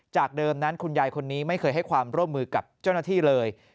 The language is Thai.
เดิมนั้นคุณยายคนนี้ไม่เคยให้ความร่วมมือกับเจ้าหน้าที่เลย